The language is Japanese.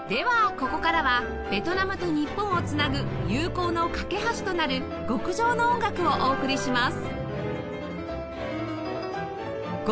ここからはベトナムと日本を繋ぐ友好の懸け橋となる極上の音楽をお送りします